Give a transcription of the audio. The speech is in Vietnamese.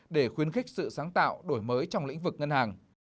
để khuyến khích sự sáng tạo đổi mới trong lĩnh vực ngân hàng